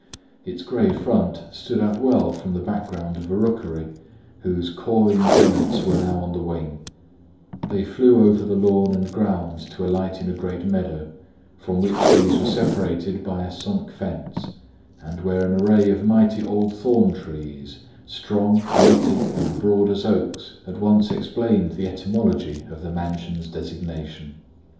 Its grey front stood out well from the background of a rookery, whose cawing tenants were now on the wing: they flew over the lawn and grounds to alight in a great meadow, from which these were separated by a sunk fence, and where an array of mighty old thorn trees, strong, knotty, and broad as oaks, at once explained the etymology of the mansion's designation.